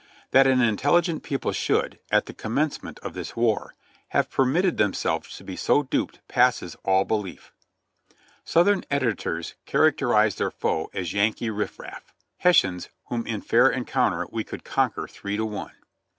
That an intelligent people should, at the commencement of this war, have permitted themselves to be so duped passes all belief. Southern editors characterized their foe as "Yankee riff raff," "Hessians, whom in fair encounter we could conquer three to one."